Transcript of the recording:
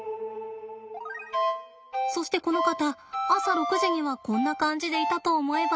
そしてこの方朝６時にはこんな感じでいたと思えば。